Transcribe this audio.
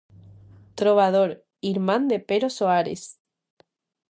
Trobador, irmán de Pero Soares.